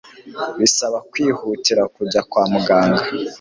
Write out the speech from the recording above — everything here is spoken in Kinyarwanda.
bisaba kwihutira kujya kwa muganga